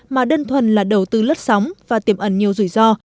mà đơn thuần là đầu tư lướt sóng và tiềm ẩn nhiều rủi ro